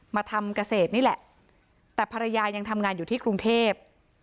มาทำเกษตรนี่แหละแต่ภรรยายังทำงานอยู่ที่กรุงเทพ